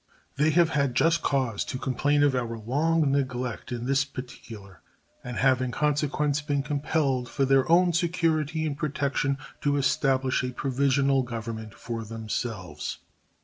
They have had just cause to complain of our long neglect in this particular, and have in consequence been compelled for their own security and protection to establish a provisional government for themselves.